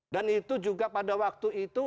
dan itu juga pada waktu itu